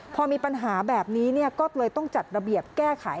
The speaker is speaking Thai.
พอมีปัญหาแบบนี้ก็เลยต้องจัดระเบียบแก้ไข